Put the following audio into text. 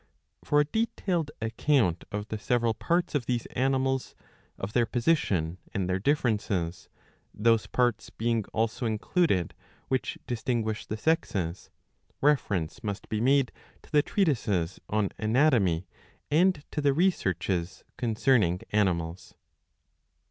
For a detailed account of the several parts of these animals, of their position, and their differences, those parts being also included which distinguish the sexes, reference must be made to the treatises on Anatomy and to the Researches concerning Animals.